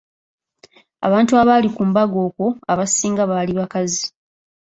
Abantu abaali ku mbaga okwo abasinga baali bakazi.